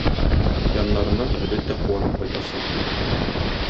яннарыннан, әлбәттә, куанып кайтасың.